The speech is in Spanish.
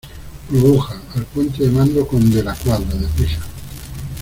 burbuja, al puente de mando con De la Cuadra , deprisa.